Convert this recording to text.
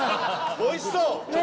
おいしそうねえ